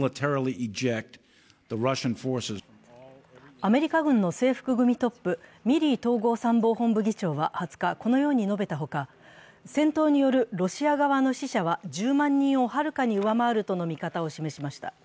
アメリカ軍の制服組トップ、ミリー統合参謀本部議長は２０日、このように述べたほか、戦闘によるロシア側の死者は１０万人をはるかに上回るとの見方を示しました。